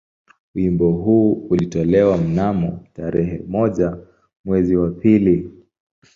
Wimbo huu ulitolewa mnamo tarehe moja mwezi wa pili